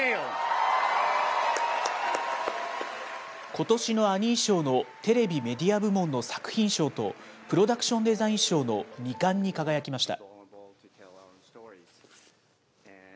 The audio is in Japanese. ことしのアニー賞のテレビ・メディア部門の作品賞と、プロダクション・デザイン賞の２冠に輝きました。